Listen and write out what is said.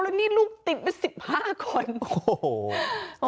แล้วนี่ลูกติดไป๑๕คนโอ้โห